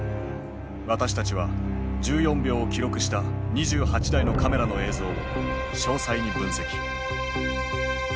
私たちは１４秒を記録した２８台のカメラの映像を詳細に分析。